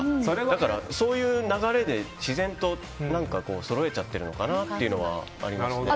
だからそういう流れで自然とそろえちゃってるのかなというのはありますね。